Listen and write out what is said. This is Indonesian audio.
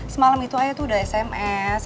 semalam itu ayah tuh udah sms